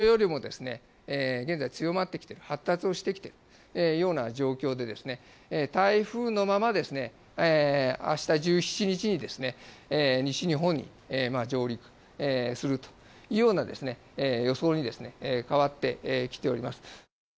台風、予想よりも現在強まってきている、発達をしてきているような状況でして、台風のままあした１７日に、西日本に上陸するというような予想に変わってきております。